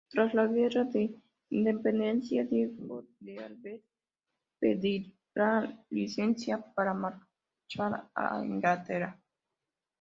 Tras la Guerra de Independencia, Diego de Alvear pedirá licencia para marchar a Inglaterra.